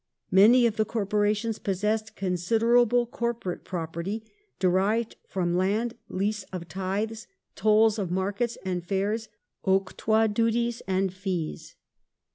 Many of the corporations possessed considerable coi*porate property derived from land, leases of tithes, tolls of markets and fairs, octroi duties, and fees.